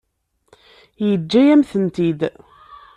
Yeǧǧa-yam-tent-id.